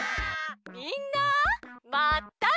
みんなまったね！